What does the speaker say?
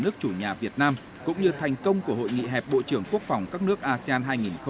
nước chủ nhà việt nam cũng như thành công của hội nghị hẹp bộ trưởng quốc phòng các nước asean hai nghìn hai mươi